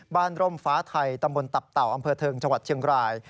ร่มฟ้าไทยตำบลตับเต่าอำเภอเทิงจังหวัดเชียงราย